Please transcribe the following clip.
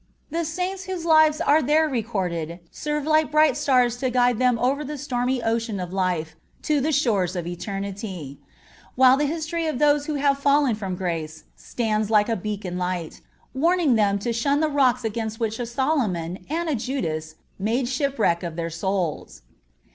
The saints whose lives are there recorded serve like bright stars to guide them over the stormy ocean of life to the shores of eternity; while the history of those who have fallen from grace stands like a beacon light, warning them to shun the rocks against which a Solomon and a Judas made shipwreck of their souls.